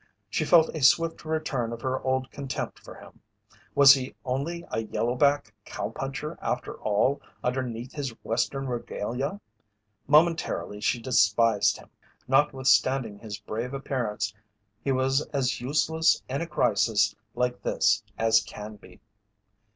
She felt a swift return of her old contempt for him. Was he only a "yellow back" cowpuncher after all, underneath his Western regalia? Momentarily she despised him. Notwithstanding his brave appearance he was as useless in a crisis like this as Canby.